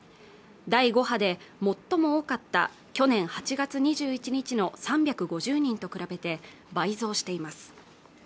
第５波で最も多かった去年８月２１日の３５０人と比べて倍増しています